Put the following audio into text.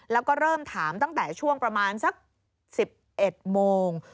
แล้วก็เริ่มถามตั้งแต่ช่วงประมาณสัก๑๑โมง